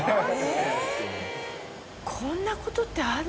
こんなことってある？